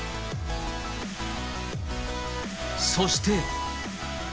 そして。